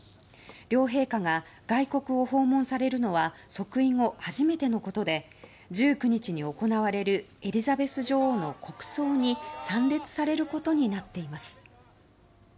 両陛下が外国を訪問されるのは即位後、初めてのことで１９日に行われるエリザベス女王の国葬に参列されることになっています。